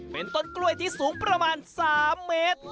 เป็นต้นกล้วยที่สูงประมาณ๓เมตร